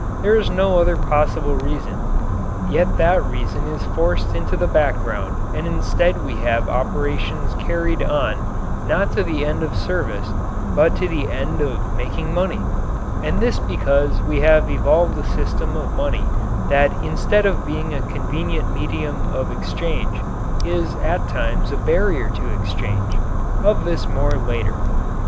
There is no other possible reason, yet that reason is forced into the background and instead we have operations carried on, not to the end of service, but to the end of making money and this because we have evolved a system of money that instead of being a convenient medium of exchange, is at times a barrier to exchange. Of this more later.